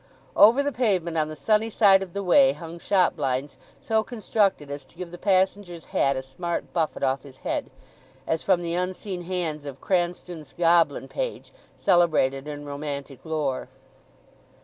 Over the pavement on the sunny side of the way hung shopblinds so constructed as to give the passenger's hat a smart buffet off his head, as from the unseen hands of Cranstoun's Goblin Page, celebrated in romantic lore.